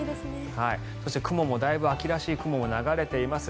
そして雲もだいぶ秋らしい雲も流れています。